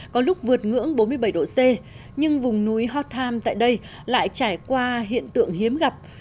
có lúc vượt ngưỡng bốn mươi bảy độ c nhưng vùng núi hotham tại đây lại trải qua hiện tượng hiếm gặp